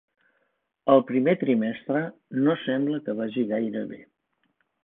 El primer trimestre no sembla que vagi gaire bé.